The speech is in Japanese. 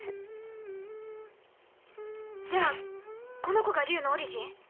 じゃあこの子が竜のオリジン？